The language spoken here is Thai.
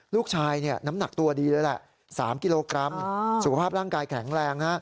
ลูกชายน้ำหนักตัวดีเลยแหละ๓กิโลกรัมสุขภาพร่างกายแข็งแรง